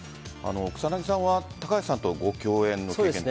草なぎさんは高橋さんとご共演の経験は？